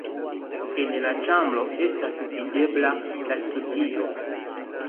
En la ĉambro estas videbla la studio.